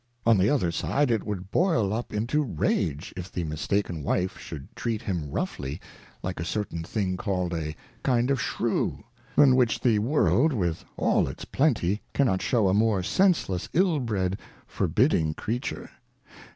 On the other side it would boil up into Rage, if the mistaken Wife should treat him roughly, like a certain thing called a kind Shrew, than which the World, with all its Plenty, cannot shew a more Senseless, ill bred, forbidding Creature.